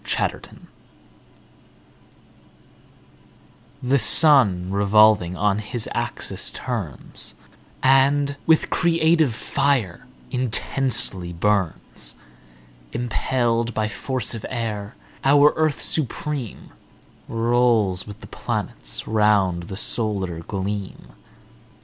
1 Autoplay The Sun revolving on his axis turns, And with creative fire intensely burns; Impell'd by forcive air, our Earth supreme, Rolls with the planets round the solar gleam.